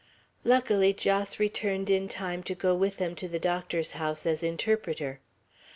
Luckily Jos returned in time to go with them to the doctor's house as interpreter.